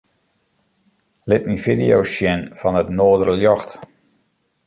Lit my fideo's sjen fan it noarderljocht.